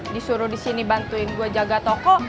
disuruh disini bantuin gue jaga toko